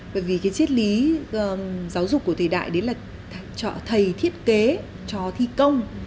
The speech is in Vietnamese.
bởi vì cái chiết lý giáo dục của thời đại đấy là thầy thiết kế cho thi công